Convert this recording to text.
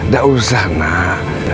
gak usah nek